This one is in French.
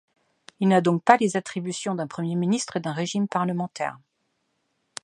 Il n'a donc pas les attributions d'un Premier ministre d'un régime parlementaire.